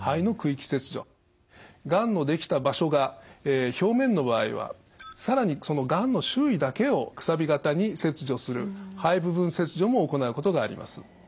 がんのできた場所が表面の場合は更にそのがんの周囲だけを楔形に切除する肺部分切除も行うことがあります。